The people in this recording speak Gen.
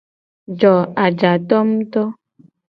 Jo ajato nguto.